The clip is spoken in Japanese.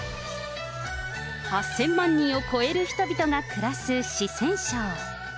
８０００万人を超える人々が暮らす四川省。